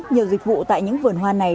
nhiều dịch vụ tại những vườn hoa này